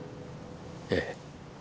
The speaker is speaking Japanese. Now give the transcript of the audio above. ええ。